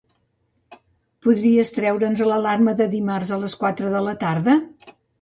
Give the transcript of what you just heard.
Podries treure'ns l'alarma de dimarts a les quatre de la tarda?